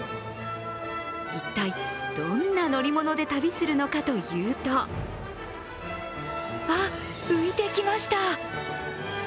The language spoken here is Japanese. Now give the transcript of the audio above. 一体どんな乗り物で旅するのかというとあ、浮いてきました！